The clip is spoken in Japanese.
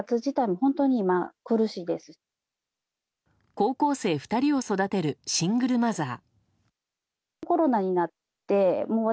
高校生２人を育てるシングルマザー。